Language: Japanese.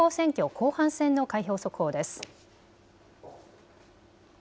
後半戦の開票速報です。